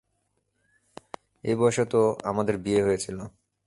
এই বয়সে তো আমাদের বিয়ে হয়েছিল।